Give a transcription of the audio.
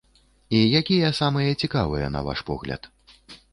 І якія самыя цікавыя на ваш погляд?